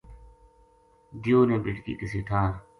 دیو نے بیٹکی کسے ٹھار